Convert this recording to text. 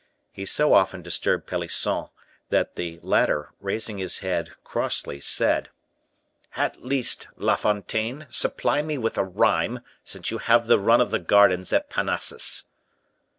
He so often disturbed Pelisson, that the latter, raising his head, crossly said, "At least, La Fontaine, supply me with a rhyme, since you have the run of the gardens at Parnassus."